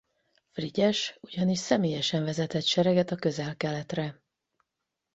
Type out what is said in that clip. Frigyes ugyanis személyesen vezetett sereget a Közel-Keletre.